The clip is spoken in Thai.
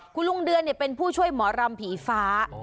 คุณลุงเดือนเป็นผู้ช่วยหมอรำผีฟ้า